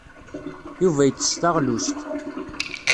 Yuba yettess taɣlust.